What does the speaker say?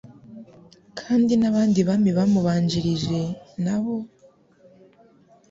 Kandi n'abandi Bami bamubanjirije nabo,